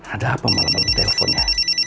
ada apa malam malam teleponnya